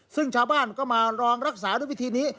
ซึ่งชาวบ้านก็มาลองรักษาด้วยวิธีนี้